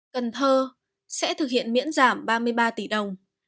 cần thơ sẽ thực hiện miễn giảm ba mươi ba tỷ đồng